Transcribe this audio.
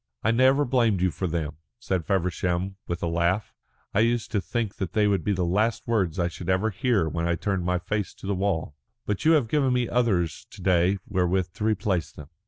I never blamed you for them," said Feversham, with a laugh. "I used to think that they would be the last words I should hear when I turned my face to the wall. But you have given me others to day wherewith to replace them."